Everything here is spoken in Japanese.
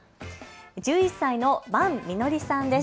１１歳の坂実乃里さんです。